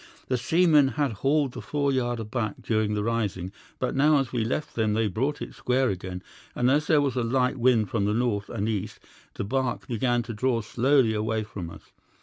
The seamen had hauled the foreyard aback during the rising, but now as we left them they brought it square again, and as there was a light wind from the north and east the barque began to draw slowly away from us.